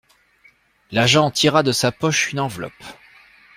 L'agent tira de sa poche une enveloppe.